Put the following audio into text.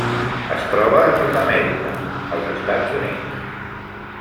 Es troba a Nord-amèrica: els Estats Units.